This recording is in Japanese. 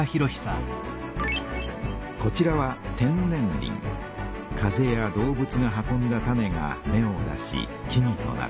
こちらは風や動物が運んだ種が芽を出し木々となる。